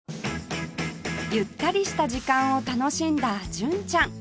ゆったりした時間を楽しんだ純ちゃん